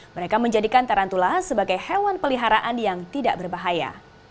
mereka menjadikan tarantula sebagai hewan peliharaan yang tidak berbahaya